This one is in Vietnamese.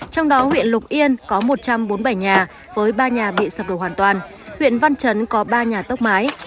trong đó huyện lục yên có một trăm bốn mươi bảy nhà với ba nhà bị sập đổ hoàn toàn huyện văn chấn có ba nhà tốc mái